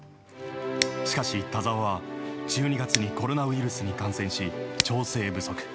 しかし、田澤は１２月にコロナウイルスに感染し調整不足。